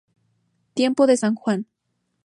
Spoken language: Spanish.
Tiempo de San Juan.